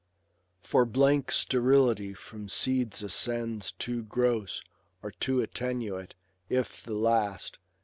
For blank sterility from seeds ascends Too gross, or too attenuate ; if the last.